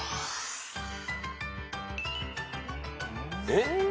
えっ？